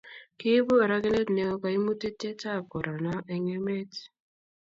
kiibu orokenet neoo kaimutietab korono eng' emet